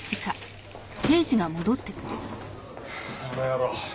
あの野郎。